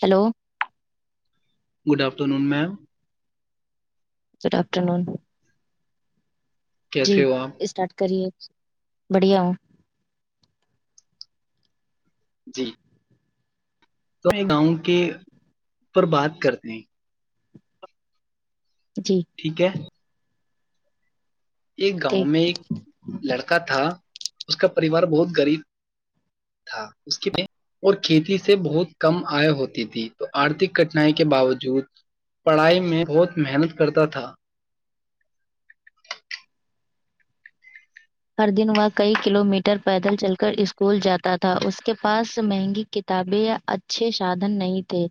Hello hello good afternoon ma'am good afternoon جی کیسے ہو آپ اسٹارٹ کریے بڑھیا ا جی تو گاؤں کے پر بات کرتے ہیں جی ٹھیک ہے ایک گاؤں ٹھیک میں ایک لڑکا تھا اس کا پریوار بہت گغریب تھا اس کی اور کھیتی سے بہت کم آئے ہوتی تھی تو آرتھک کٹنائی کے باوجود پڑھائی میں بہت محنت کرتا تھا ہر دن وہ کئی کلو میٹر پیدل چل کر اسکول جاتا تھا اس کے پاس مہنگی کتابیں یا اچھے سادھن نہیں تھے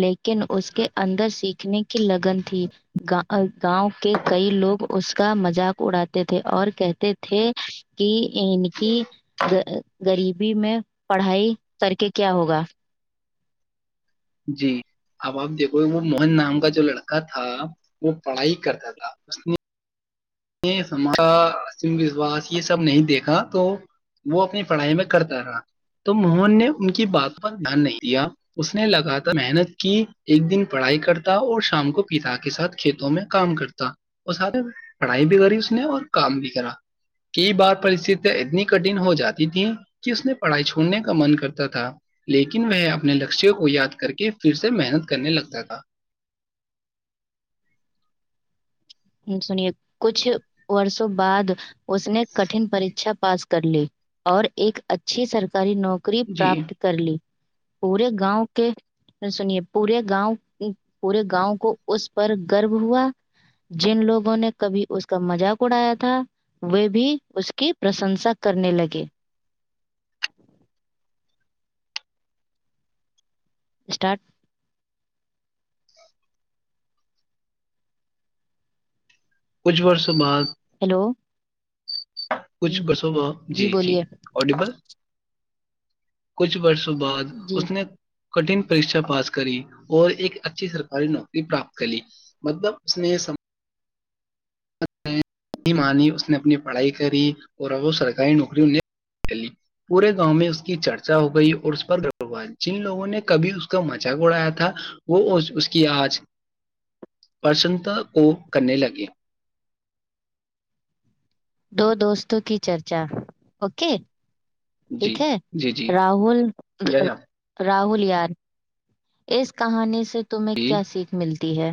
لیکن اس کے اندر سیکھنے کی لگن تھی گاؤں کے کئی لوگ اس کا مذاق اڑاتے تھے اور کہتے تھے کہ ان کی غریبی میں پڑھائی کر کے کیا ہوگا جی اب آپ دیکھو وہ موہن نام کا جو لڑکا تھا وہ پڑھائی کرتا تھا اس نے وشواس یہ سب نہیں دیکھا تو وہ اپنی پڑھائی میں کرتا رہا تو موہن نے ان کی بات پر دھیان نہیں دیا اس نے لگاتار محنت کی ایک دن پڑھائی کرتا اور شام کو پتا کے ساتھ کھیتوں میں کام کرتا اور پڑھائی بھی کری اس نے اور کام بھی کرا کئی بار پرستتیا اتنی کٹن ہو جاتی تھیں کہ اس نے پڑھائی چھوڑنے کا من کرتا تھا لیکن وہ اپنے لشوں کو یاد کر کے پھر سے محنت کرنے لگتا تھا سنیے کچھ وورسوں بعد اس نے کٹن پیھا پاس کر لی اور ایک اچھی سرک ساری نوکری جی پراپت کر لی پورے گاؤں کے سنیے پورے گاؤں پورے گاؤں کو اس پر گرب ہوا جن لوگوں نے کبھی اس کا مذاق اڑایا تھا وہ بھی اس کی پرشنسا کرنے لگے اسٹارٹ کچھ برسوں بعد ہیلو کچھ برسوں میں جی جی آڈیبل کچھ برس تو بعد جی اس نے کٹن پریشا پاس کری اور ایک اچھی سرکاری نوکری پراپت کری مطلب اس نے م اس نے اپنی پڑھائی کری اور ا وہ سرکاری نوکری ان کر لی پورے گاؤں میں اس کی چرچا ہو گئی اور اس پر گال جن لوگوں نے کبھی اس کا مزہق اڑایا تھا وہ اس کی آج پرسنتا کو کرنے لگے دو دوستوں کی چرچا اوکے جی ٹھیک ہے جی جی راہل جی راہل یار اس کہانی سے تمہیں کیا سیکھ ملتی ہے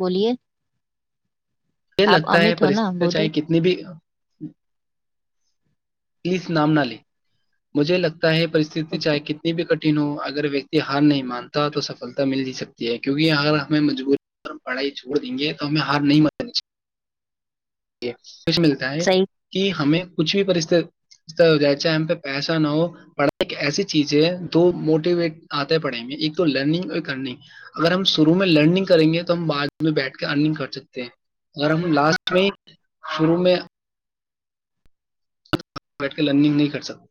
بولیے یہ آپ لگتا ہے امت ہو نا پرستیاں بولیے چاہے کتنی بھی ج پلیز نام نہ لے مجھے لگتا پرستھی اوکے چاہے کتنی بھی کٹ ہو اگر ویکتی ہار نہیں مانتا تو سفلتا مل ج سکتی ہے کیونکہ اگر ہمیں مجبوری پڑھائی چھوڑ دیں گے تو ہمیں ہار نہیں ماننی چ ج ملتا ہے صحیح کہ ہمیں کچھ بھی جائے چاہے ہم پہ پیسہ نہ ہو پڑھائی ایک ایسی چیز ہے دو موٹیویٹ آتا ہے پڑھیں گے ایک تو لرنگ اور ایک ارنگ اگر ہم شرو میں لرننگ کریں گے تو ہم بعد میں بیٹھ کے ارننگ کر سکتے ہیں اگر ہم لاسٹ میں شروع میں بیٹھ کے لننگ نہیں کر سکتا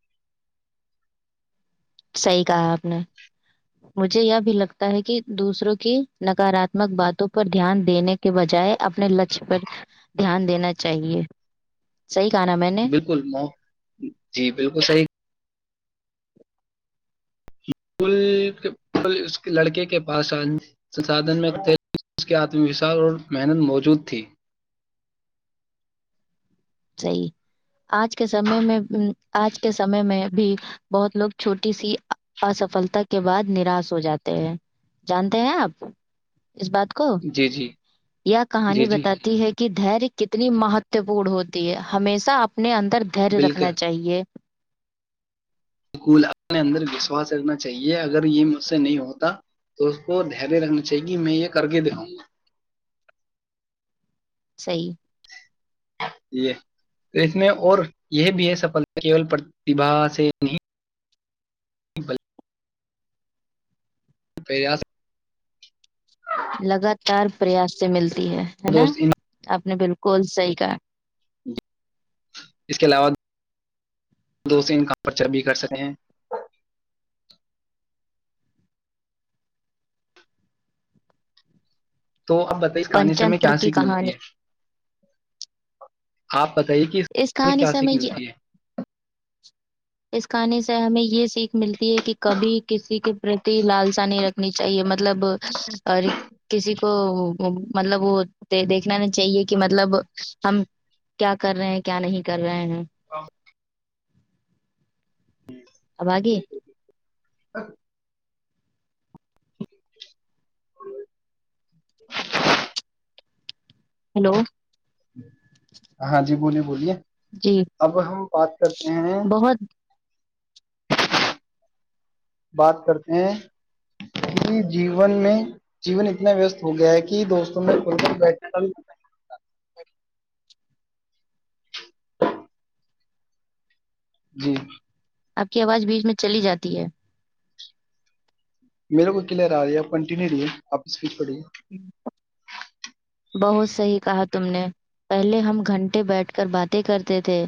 صحی کہا آپ نے مجھے یہ بھی لگتا ہے کہ دوسروں کی نکاراتمک باتوں پر دھیان دینے کے بجائے اپنے لچ پر دھیان دینا چاہیے صحیح کہا نا میں نے بالکل م جی بالکل صحیح پول اس لڑکے کے پاس سنسھن میں تھے اس کے آتم وشواس اور محنت موجود تھی صی آج کے سمے میں آج کے سمے میں بھی بہت لوگ چھوٹی سی افلتا کے بعد نراش ہو جاتے ہیں جانتے ہیں آپ اس بات کو جی جی جی کہانی جی بتاتی ہے کہ دھیر کتنی مہتو پورن ہوتی ہے ہمیشہ آپ اپنے اندر در رکھنا بالکل چاہیے بالکول اپنے اندر وشواس رکھنا چاہیے اگر یہ مجھ سے نہیں ہوتا تو اس کو دھیریہ رکھنا چاہیے کہ میں یہ کر کے داؤں گا صی یہ اس میں اور یہ بھی ہے سفلتا کیول پرتیبا سے نہیں پیاض لگاتار پریاس سے ملتا نا دوست ان آپ نے بالکل کول صحی کا اس کے علاوہ دو ان کا پرچہ بھی کر سکتے ہیں تو آپ بتائیے کہانانی سے ہمیں پنچتر کیا کی سیکھ کہانی ملتی ہے آپ بتائیے کہ اس میں کہانی کیا سے ہمیں سیکھ یہ ملتی ہے اس کہانی سے ہمیں یہ سیکھ ملتی ہے کہ کبھی کسی کے پرتی لالسا نہیں رکھنی چاہیے مطلب اور کسی کو مطلب وہ دیکھنا نہیں چاہیے کہ مطلب ہم کیا کر رہے ہیں کیا نہیں کر رہے ہیں ہاں اورے ہ رذبآآربب ہیلو ہاں جی بولیے بولیے جی اب ہم [unintelligible] بہت بات کرتے ہیں کہ جیون میں جیون اتنا ویستست ہو گیا ہے کہ دوستوں میں بیٹھ جی آپ کی آواز بیچ میں چلی جاتی ہے میرے کو کلیئر آ رہی ہے آپ کنٹینیو رہی کی پڑ بہت صحیح کہا تم نے پہلے ہم گھنٹے بیٹھ کر باتیں کرتے تھے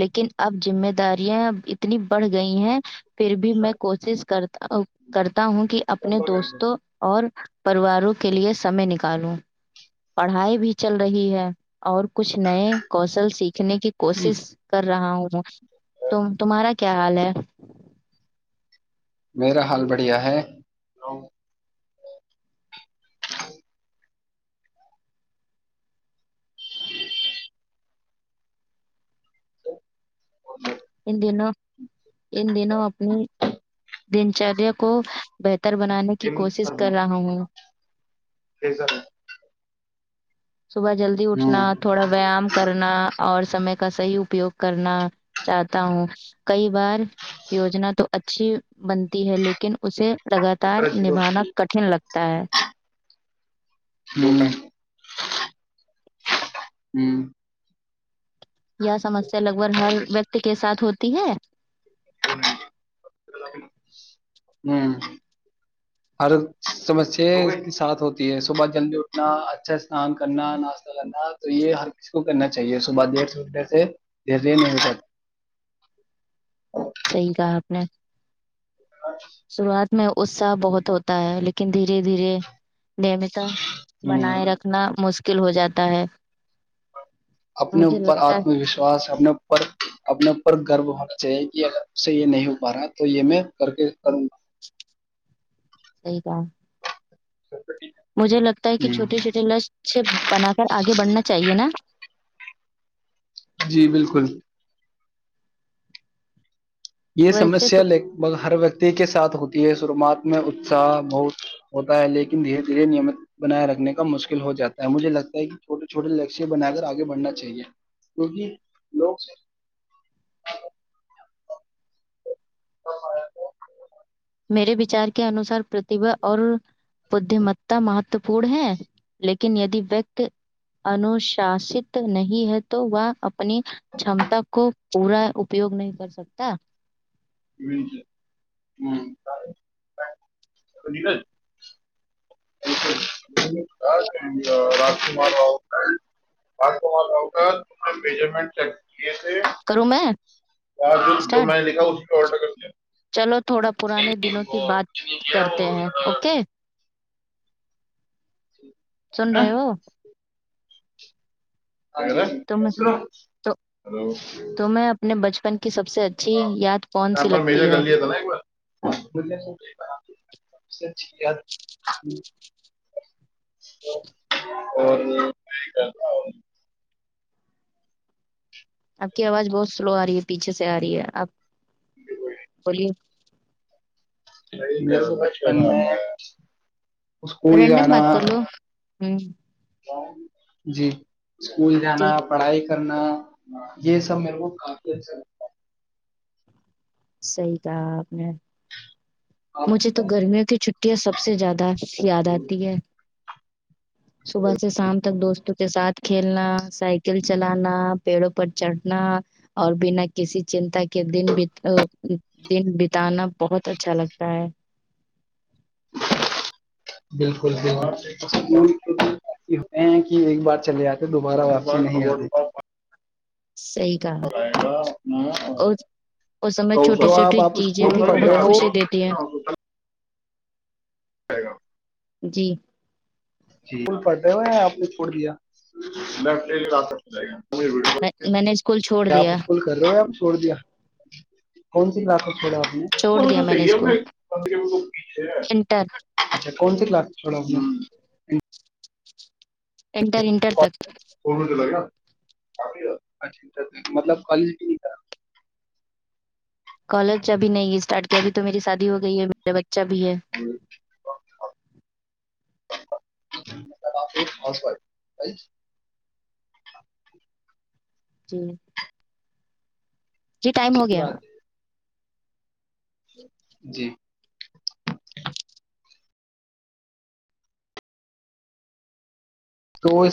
لیکن اب ذمہ داریاں اب اتنی بڑھ گئی ہیں پھر بھی میں کوشش کرتا کر ہوں کہ اپنے دوستوں اور پرریواروں کے لیے سمے نکالوں پڑھائی بھی چل رہی ہے اور کچھ نئے کوشل سیکھنے کی کوشش کر رہا ہوں تو تمہارا کیا حال ہے میرا حال بڑھیا ہے [inaudible] [inaudible] ان دنوں ان دنوں اپنی دن چریا کو بہ تر بنانے کی کوشش کر رہا ہوں صبح جلدی اٹھنا تھوڑا ویایام کرنا اور سمے کا صحیح اپیوگ کرنا چاہتا ہوں کئی بار یوجنا تو ا اچھی بنتی ہے لیکن اسے لگاتار نبھانا کٹھن لگتا ہے [inaudible] ہمم یہ سمسیا لگ بگ ہر ویکتی کے ساتھ ہوتی ت ہے ہمم ہر سمسیا کے ساتھ ہوتی ہے صبح جلدی اٹھنا اچھا اسنان کرنا ناشتہ کرنا تو یہ ہر کسی کو کرنا چاہیے صبح دیر سے اٹھنے سے در صحیح کہا آپ نے [unintelligible] شروعات میں اتصاہ بہت ہوتا ہے لیکن دھیرے دھیرے دمیتا ہوں بنائے رکھنا مشکل مشکل ہو جاتا ہے اپنے مجھے اوپر لگتا ہے اعطم وشواس اپنے اوپر اپنے اوپر گرو ہونا چاہیے سے یہ نہیں ہو پا رہا ہے تو یہ میں کر کے کروں صحیح کہا مجھے لگتا ہے کہ گا چھوٹے چھوٹے لچ بنا کر آگے بڑھنا چاہیئے نا جی بالکل یہ ویسے سمسیا لگ بھگ ہر ویکتی کے ساتھ ہوتی شروعات میں اتساہ بہت ہوتا ہے لیکن دھیرے دھیرے نیمت بنائے رکھنے کا مشکل ہو جاتا ہے مجھے لگتا ہے کہ چھوٹے چھوٹے لکیہ بنا کر آگے بڑھنا چاہیے کیونکہ لوگ تو میرے وچار کے انوسار پرتیبا اور بددیمتا مہتو پورن ہے لیکن یدی وت انشاست نہیں ہے تو وہ اپنی چمتا کو پورا اپیوگ نہیں کر سکتا [inaudible] [inaudible] [inaudible] کروں میں اسٹارٹ [unintelligible] چلو تھوڑا نہیں پرانے دنوں نہیں کی وہ بات نہیں کیا کرتے وہ ہیں اوکے سن رہے ہیں؟ ہو تم تو تمہیں اپنے [unintelligible] بچپن سب سے اچھی سیمپل یاد کون سی لگتی ہے بول سب سے اچھی یاد ت [unintelligible] ش [unintelligible] اور کر رہ [unintelligible] آپ کی آواز بہت [unintelligible] سلو آ رہی ہے پیچھے سے آ رہی ہے آپ کہ کوئی [unintelligible] بولی [unintelligible] م بچپن میں اسکول رینڈم جانا بات کر لو ہ جی اسکول جانا ٹھیک پڑھائی کرنا یہ سب میرے کو کافی اچھا لگتا ہے [unintelligible] صحی کہ آپ نے ہے۔ آپ کو مجھے تو کیا گرمیوں کی چھٹیاں سب سے زیادہ یاد آتی ہیں صبح سے شام تک دوست کے ساتھ کھیلنا سائیکل چلانا پیڑوں پر چڑھنا اور بنا کسی چنتا کے کہ دن دن بتانا بہت اچھا لگتا [inaudible] بالکل ہوتے ہیں کہ ایک بار چلے آتے دوبارہ واپسی نہیں آتے صحیح کہا گ اور اس سمے کو چھوٹی سو آپ چھوٹی آپ چیزیں اسکول بھی پڑھ بہت رہے ہو خوشی دیتی ہیں [unintelligible] آائے گا [unintelligible] جی [unintelligible] پل پٹے ہوئے آپ نے چھوڑ دیا [unintelligible] [unintelligible] کیا آپ دیا اسکول کر رہے ہو چھوڑ دیا کون سا [unintelligible] جی بات [unintelligible] چھوڑ دیا میں نے احی ہے اسکول بندے پیچ انٹر اچھا کون سی للا [unintelligible] تھوڑا اپنا [unintelligible] انٹر انٹر تک مطلبال تھا [unintelligible] کالج ابھی نہیں ہے اسٹارٹ کیا ابھی تو میری شادی ہو گئی ہے میرے ب ب چ بھیھی ہے [unintelligible] [inaudible] جی [unintelligible] جی ٹائم ہو گیا بات ہے جی [unintelligible] تو وہ [unintelligible]